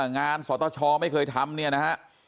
สตชไม่เคยทำเนี่ยนะฮะ